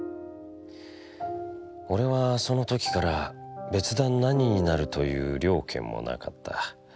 おれはその時から別段何になるという了見もなかった。